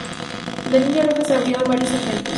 La Línea Roja se abrió en varios segmentos.